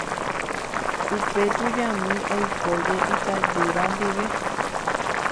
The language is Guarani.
Upe tujami oikóje itajýra ndive.